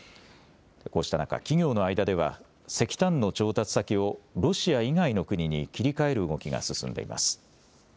こうした中、企業の間では石炭の調達先をロシア以外の国に切り替える動きが進んでいます。